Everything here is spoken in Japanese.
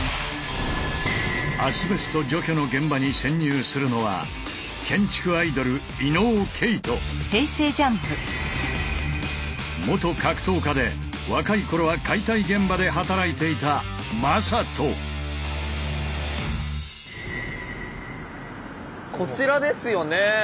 アスベスト除去の現場に潜入するのは元格闘家で若い頃は解体現場で働いていたこちらですよね。